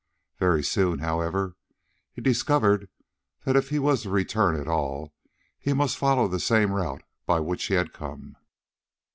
Very soon, however, he discovered that if he was to return at all, he must follow the same route by which he had come.